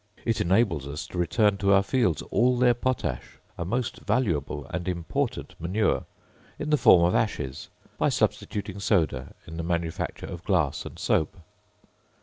It enables us to return to our fields all their potash a most valuable and important manure in the form of ashes, by substituting soda in the manufacture of glass and soap.